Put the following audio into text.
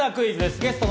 ゲストの